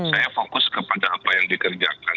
saya fokus kepada apa yang dikerjakan